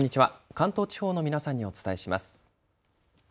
関東地方の皆さんにお伝えします。